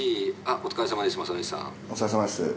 お疲れさまです。